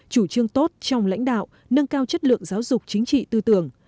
chủ trương tốt trong lãnh đạo nâng cao chất lượng giáo dục chính trị tư tưởng